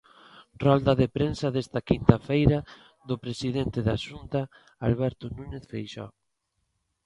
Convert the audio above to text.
Rolda de prensa desta quinta feira do presidente da Xunta, Alberto Núñez Feixóo.